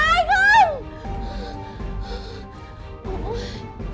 có ai không cứu em tôi với